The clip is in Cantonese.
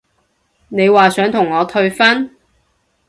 你話想同我退婚？